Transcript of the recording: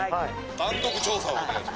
単独調査をお願いします。